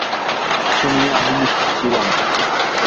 শুনিয়া আমি নিশ্চিন্ত ছিলাম।